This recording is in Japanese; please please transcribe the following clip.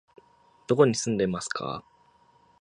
どこに住んでいますか？